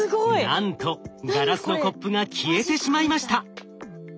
なんとガラスのコップが消えてしまいました。